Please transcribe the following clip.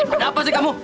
ada apa sih kamu